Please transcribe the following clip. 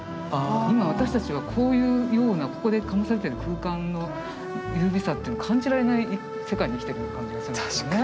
今私たちはこういうようなここで醸されてる空間の優美さというのを感じられない世界に生きてるような感じがするんですよね。